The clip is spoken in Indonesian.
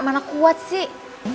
mana kuat sih